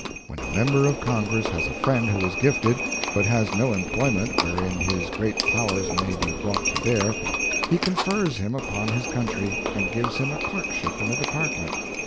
When a member of Congress has a friend who is gifted, but has no employment wherein his great powers may be brought to bear, he confers him upon his country, and gives him a clerkship in a department.